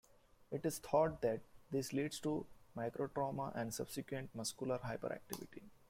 It is thought that this leads to microtrauma and subsequent muscular hyperactivity.